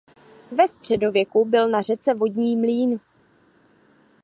Ve středověku byl na řece vodní mlýn.